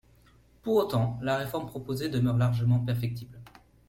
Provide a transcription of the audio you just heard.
Pour autant, la réforme proposée demeure largement perfectible.